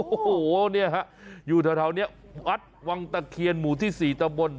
โอ้โหเนี่ยฮะอยู่แถวนี้วัดวังตะเคียนหมู่ที่๔ตะบน